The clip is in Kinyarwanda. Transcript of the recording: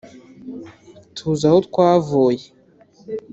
ˮ Tuzi aho twavuye